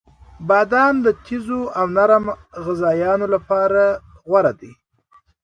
• بادام د تیزو او نرم غذایانو لپاره غوره دی.